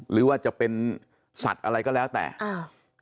หรือว่าจะเป็นสัตว์อะไรก็แล้วแต่อ้าว